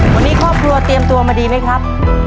วันนี้ครอบครัวเตรียมตัวมาดีไหมครับ